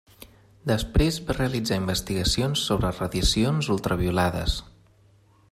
Després, va realitzar investigacions sobre radiacions ultraviolades.